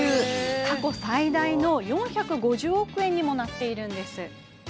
過去最大の４５０億円にもなっているんです。